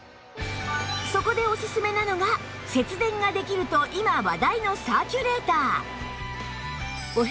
そこでおすすめなのが節電ができると今話題のサーキュレーター